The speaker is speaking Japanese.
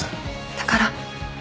だから。